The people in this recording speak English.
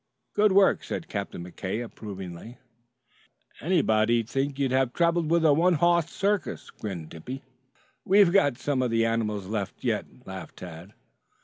"Good work," said Captain McKay approvingly. "Anybody'd think you had traveled with a one hoss circus," grinned Dippy. "We've got some of the animals left yet," laughed Tad.